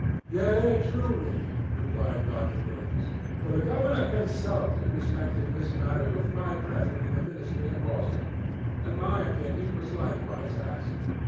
"Yea, truly," replied Roger Williams, "for the governor consulted respecting this matter with my brethren in the ministry at Boston, and my opinion was likewise asked.